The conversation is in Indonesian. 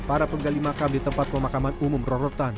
para penggali makam di tempat pemakaman umum rorotan